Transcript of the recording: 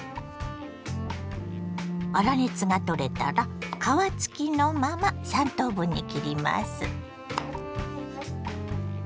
粗熱が取れたら皮付きのまま３等分に切ります。